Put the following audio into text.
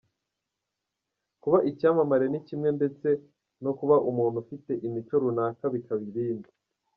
Kuba icyamamare ni kimwe ndetse no kuba umuntu ufite imico runaka bikaba ibindi.